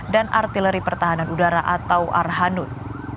dan artileri pertahanan udara atau arhanut